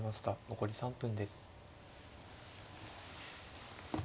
残り３分です。